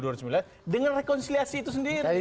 dengan rekonsiliasi itu sendiri